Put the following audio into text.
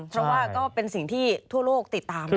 เพราะว่าก็เป็นสิ่งที่ทั่วโลกติดตาม